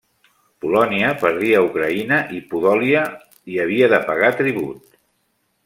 Polònia perdia Ucraïna i Podòlia i havia de pagar tribut.